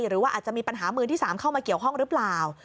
หรือว่าอาจจะมีปัญหามือที่๓เข้ามาเกี่ยวข้องหรือเปล่า